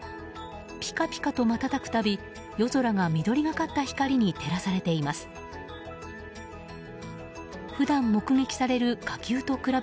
ピカピカと瞬くたび夜空が緑がかった光に照らされています。